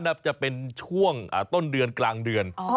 น่าจะเป็นช่วงต้นเดือนกลางเดือน